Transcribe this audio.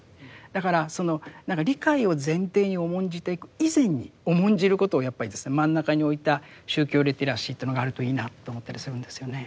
だから何か理解を前提に重んじていく以前に重んじることをやっぱりですね真ん中に置いた宗教リテラシーというのがあるといいなと思ったりするんですよね。